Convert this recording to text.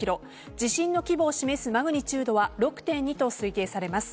地震の規模を示すマグニチュードは６．２と推定されます。